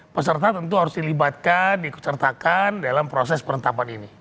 peserta tentu harus dilibatkan diikut sertakan dalam proses perentapan ini